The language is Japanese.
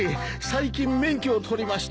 最近免許を取りましてね